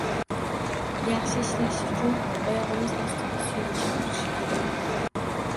Yaxshi ishlash uchun oyog’imiz ostida suyanchiq turishi kerak.